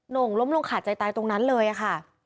่งล้มลงขาดใจตายตรงนั้นเลยค่ะ